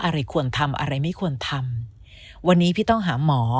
อะไรควรทำอะไรไม่ควรทำวันนี้พี่ต้องหาหมอ